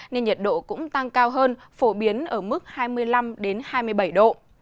nên nhiệt độ cũng tăng cao hơn phổ biến ở mức hai mươi năm hai mươi bảy độ